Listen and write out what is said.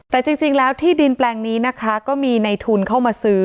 แต่จริงแล้วที่ดินแปลงนี้นะคะก็มีในทุนเข้ามาซื้อ